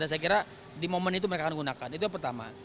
dan saya kira di momen itu mereka akan menggunakan itu pertama